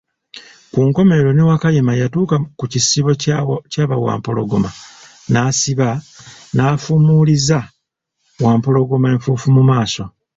Ku nkomekerero ne Wakayima yatuuka ku kisibo kya bawampologoma nasiba, naaffumuliza Wampologoma enfuufu mu maaso.